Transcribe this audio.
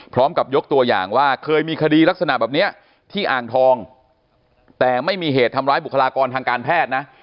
ยกตัวอย่างว่าเคยมีคดีลักษณะแบบนี้ที่อ่างทองแต่ไม่มีเหตุทำร้ายบุคลากรทางการแพทย์นะ